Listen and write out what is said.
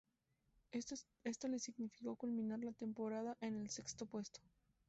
Esto le significó culminar la temporada en el sexto puesto.